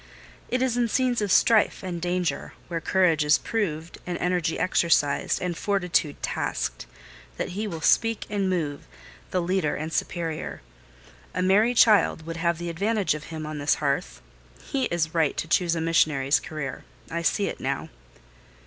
It is in scenes of strife and danger—where courage is proved, and energy exercised, and fortitude tasked—that he will speak and move, the leader and superior. A merry child would have the advantage of him on this hearth. He is right to choose a missionary's career—I see it now."